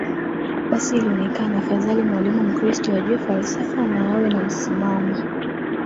Basi ilionekana afadhali mwalimu Mkristo ajue falsafa na awe na msimamo